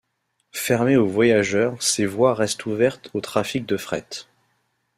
Fermée aux voyageurs, ses voies restent ouvertes au trafic de fret.